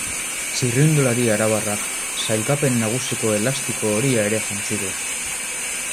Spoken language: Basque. Txirrindulari arabarrak sailkapen nagusiko elastiko horia ere jantzi du.